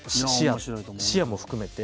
視野も含めて。